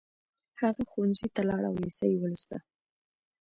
هغه ښوونځي ته لاړ او لېسه يې ولوسته